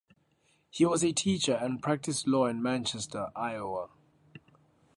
He was a teacher and practiced law in Manchester, Iowa.